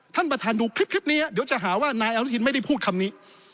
ท่านประธานดูคลิปนี้เดี๋ยวจะหาว่านายอนุทินไม่ได้พูดคำนี้